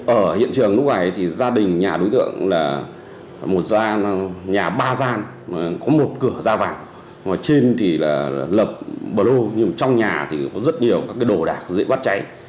ở hiện trường lúc này thì gia đình nhà đối tượng là một nhà ba gian có một cửa da vàng ngoài trên thì là lập bờ lô nhưng trong nhà thì có rất nhiều các cái đồ đạc dễ bắt cháy